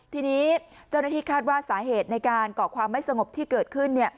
ทีนี้เจ้าหน้าที่คาดว่าสาเหตุในการก่อความไม่สงบที่เกิดขึ้น